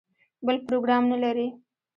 بل پروګرام نه لري.